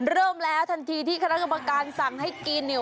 เริ่มแล้วทันทีที่คณะกรรมการสั่งให้กินเนี่ย